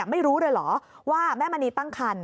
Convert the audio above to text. ไม่รู้เลยเหรอว่าแม่มณีตั้งคัน